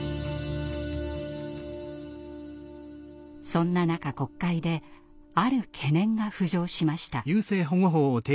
そんな中国会である懸念が浮上しました。